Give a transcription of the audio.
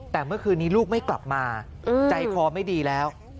แต่เมื่อคืนนี้ลูกไม่กลับมาใจคอไม่ดีแล้ว